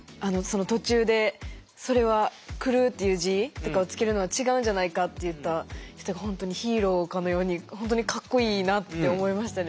途中でそれは狂うっていう字とかを付けるのは違うんじゃないかって言った人が本当にヒーローかのように本当にかっこいいなって思いましたね。